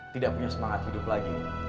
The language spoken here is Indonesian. tidak punya semangat hidup lagi